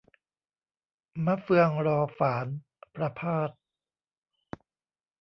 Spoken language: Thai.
'มะเฟืองรอฝาน' ประภาส